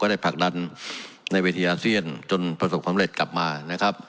ก็ได้ผลักดันในวิทยาเซียนจนประสุทธิ์สำเร็จกลับมานะครับ